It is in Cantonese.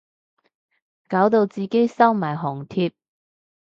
搞到自己收埋紅帖